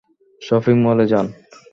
Shopping মলে যান।